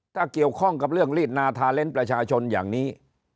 ถ้าเกี่ยวข้องกับเรื่องรีดนาทาเล้นประชาชนอย่างนี้